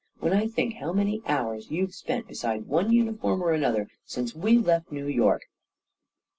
When I think how many hours you've spent be side one uniform or another since we left New York